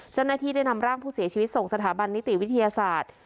เจ้าหน้าที่ได้นำร่างผู้เสียชีวิตส่งสถาบันนิติวิทยาศาสตร์